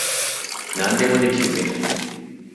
何でもできるぜ。